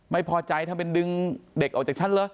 ไม่พอใจถ้าเป็นดึงเด็กออกจากชั้นเหรอ